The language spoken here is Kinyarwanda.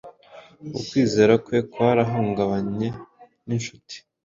Ukwizera kwe kwarahungabanye ninshuti